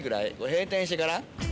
閉店してから。